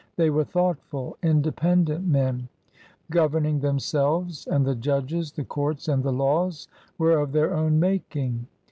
They were thoughtful, independent men, governing themselves, and the judges, the courts, and the laws were of their own making.